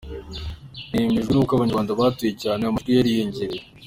Nanejejwe n’uko Abanyarwanda batoye cyane, amajwi yariyongereye.